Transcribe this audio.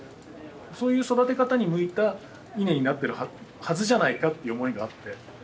そういう育て方に向いた稲になってるはずじゃないかっていう思いがあって。